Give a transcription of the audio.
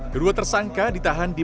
kedua tersangka ditahan di